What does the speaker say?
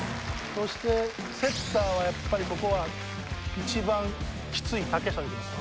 そしてセッターはやっぱりここは一番きつい竹下でいきます